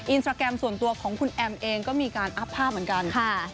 อินสตราแกรมส่วนตัวของคุณแอมเองก็มีการอัพภาพเหมือนกัน